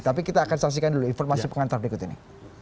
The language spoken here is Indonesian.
tapi kita akan saksikan dulu informasi pengantar berikut ini